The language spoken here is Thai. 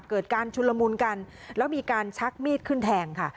เกิดการชุนละมุนกันแล้วมีการชักมีดขึ้นแทงค่ะ